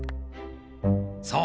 そう。